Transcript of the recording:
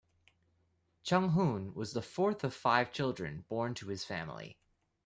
Chung-Hoon was the fourth of five children born to his family.